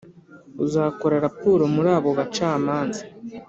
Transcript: uzakora raporo muri abo bacamanza